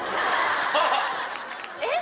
えっ？